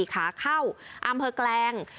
ขาเข้าอำเภอแกลง